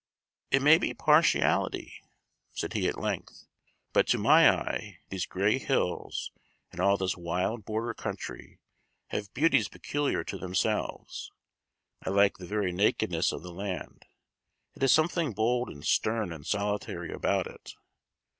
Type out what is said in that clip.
"It may be partiality," said he, at length; "but to my eye, these gray bills and all this wild border country have beauties peculiar to themselves. I like the very nakedness of the land; it has something bold, and stern, and solitary about it.